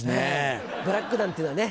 ブラック団っていうのはね